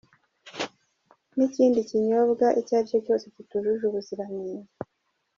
n’ikindi kinyobwa icyo ari cyo cyose kitujuje ubuziranenge.